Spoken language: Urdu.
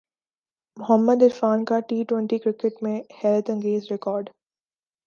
محمد عرفان کا ٹی ٹوئنٹی کرکٹ میں حیرت انگیز ریکارڈ